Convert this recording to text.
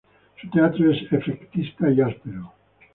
Su teatro es efectista y áspero.